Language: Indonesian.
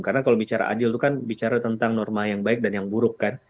karena kalau bicara adil itu kan bicara tentang norma yang baik dan yang buruk kan